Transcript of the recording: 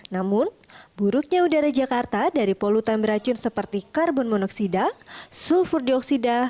namun buruknya udara jakarta dari polutan beracun seperti karbon monoksida sulfur dioksida